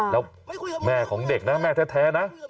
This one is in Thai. แล้วแม่ของเด็กนะแม่แท้นะ